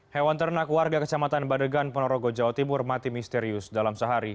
hewan ternak warga kecamatan badegan ponorogo jawa timur mati misterius dalam sehari